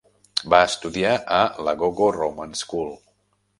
Va estudiar a l'Agogo Roman School.